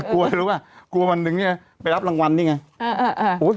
กลัวรู้ป่ะกลัววันหนึ่งเนี่ยไปรับรางวัลนี่ไง